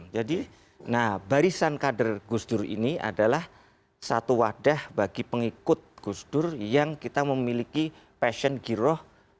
jadi nah barisan kader gusdur ini adalah satu wadah bagi pengikut gusdur yang kita memiliki passion giroh